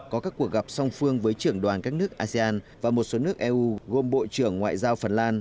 có các cuộc gặp song phương với trưởng đoàn các nước asean và một số nước eu gồm bộ trưởng ngoại giao phần lan